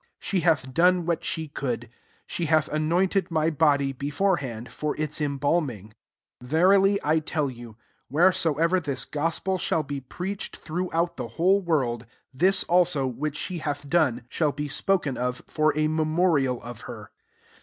She hath done what she could : 8 she hath anointed my body, before hand, for Ub embalming. 9 Verily I tell you, Whereso ever this gospel shall be preach ed, throughout the whole world, Mt« also, which she hath done, shall be spoken of, for a me morial of her.'